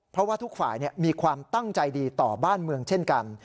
เพราะว่าทุกฝ่ายมีความตั้งใจดีต่อบ้านเมืองเช่นกัน